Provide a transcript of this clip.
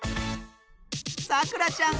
さくらちゃん